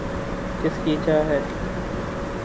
کس کی چاہ ہے